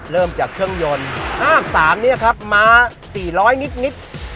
เริ่มจากเครื่องยนต์ห้าบสามเนี่ยครับมาสี่ร้อยนิดนิด